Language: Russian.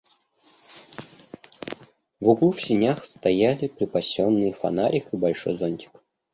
В углу в сенях стояли припасенные фонарик и большой зонтик.